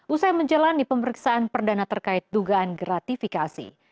usai menjalani pemeriksaan perdana terkait dugaan gratifikasi